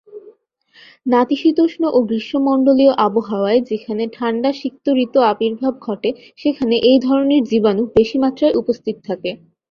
নাতিশীতোষ্ণ ও গ্রীষ্মমণ্ডলীয় আবহাওয়ায় যেখানে ঠাণ্ডা সিক্ত ঋতু আবির্ভাব ঘটে সেখানে এই ধরনের জীবাণু বেশি মাত্রায় উপস্থিত থাকে।